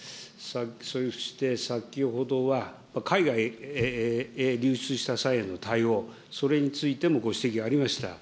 そして先ほどは、海外へ流出した際の対応、それについてもご指摘ありました。